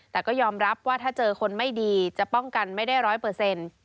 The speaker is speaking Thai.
แต่ก็ยอมรับว่าถ้าเจอคนไม่ดีจะป้องกันไม่ได้ร้อยเปอร์เซ็นต์